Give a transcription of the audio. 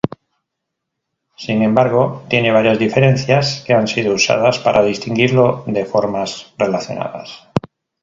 Sin embargo, tiene varias diferencias, que han sido usadas para distinguirlo de formas relacionadas.